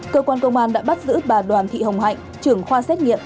cơ quan công an đã bắt giữ bà đoàn thị hồng hạnh trưởng khoa xét nghiệm